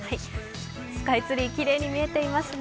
スカイツリーきれいに見えていますね。